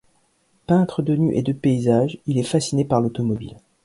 Peintre de nus et de paysages, il est fasciné par l’automobile.